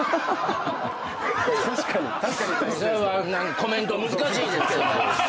それはコメント難しいですけども。